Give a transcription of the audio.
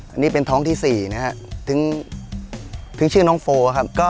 อันนี้เป็นท้องที่๔ถึงชื่อน้องโฟล